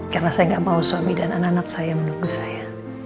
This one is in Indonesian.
karena saya gak mau suami dan anak anak saya menunggu saya